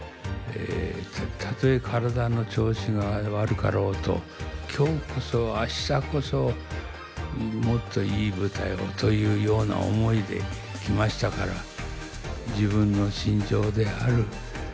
たとえ体の調子が悪かろうと「今日こそ明日こそもっといい舞台を」というような思いできましたから自分の信条である